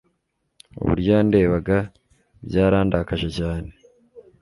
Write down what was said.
Uburyo yandebaga byarandakaje cyane.